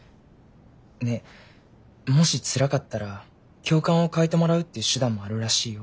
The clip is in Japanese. ねえもしつらかったら教官を替えてもらうっていう手段もあるらしいよ。